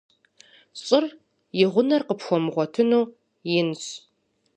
ЩӀыр, и гъунэр къыпхуэмыгъуэтыну, инщ.